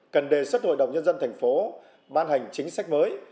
cần đề xuất hội đồng nhân dân thành phố ban hành chính sách mới